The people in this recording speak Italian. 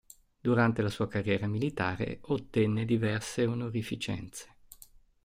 Durante la sua carriera militare ottenne diverse onorificenze.